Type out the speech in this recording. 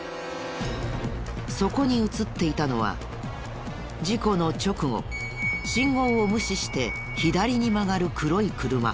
そこに映っていたのは事故の直後信号を無視して左に曲がる黒い車。